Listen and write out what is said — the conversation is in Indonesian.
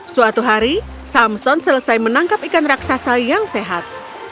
suatu hari samson selesai menangkap ikan raksasa yang sehat